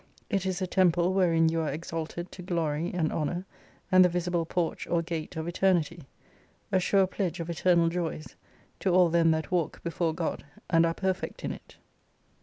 It is the temple wherein you are exalted to glory and honour, and the visible porch or gate of Eternity : a sure pledge of Eternal joys, to all them that walk before God and are perfect in it.